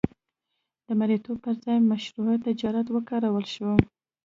د مریتوب پر ځای مشروع تجارت وکارول شو.